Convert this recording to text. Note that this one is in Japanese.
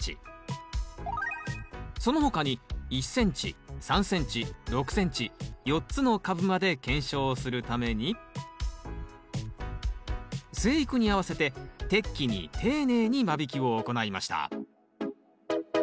その他に１ｃｍ３ｃｍ６ｃｍ４つの株間で検証をするために生育に合わせて適期に丁寧に間引きを行いました。